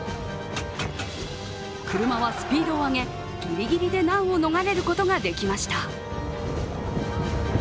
車はスピードを上げ、ぎりぎりで難を逃れることができました。